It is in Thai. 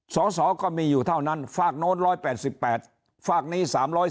สสก็มีอยู่เท่านั้นฝากโน้น๑๘๘ฝากนี้๓๔